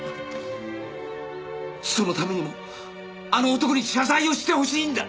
そのためにもあの男に謝罪をしてほしいんだ！